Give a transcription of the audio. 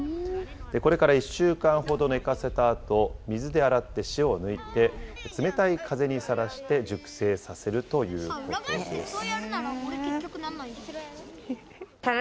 これから１週間ほど寝かせたあと、水で洗って塩を抜いて、冷たい風にさらして熟成させるということです。